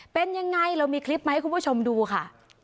เป็นยังไงเรามีคลิปมาให้คุณผู้ชมดูค่ะ